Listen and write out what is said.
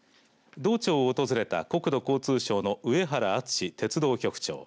道庁を訪れた国土交通省の上原淳鉄道局長。